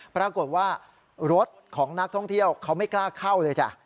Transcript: ปรากฏว่ารถของนักท่องเที่ยวเขาไม่กล้าเข้าเลยจ้ะ